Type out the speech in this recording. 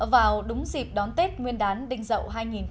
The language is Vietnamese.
vào đúng dịp đón tết nguyên đán đinh dậu hai nghìn một mươi bảy